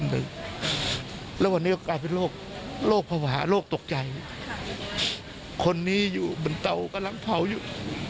เจ็บกว่าเรื่องของคุณพ่อที่ตอนนี้ยังรักษาอาการโควิด๑๙อยู่